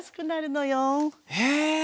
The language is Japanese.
へえ！